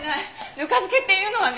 ぬか漬けっていうのはね。